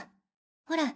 ほら。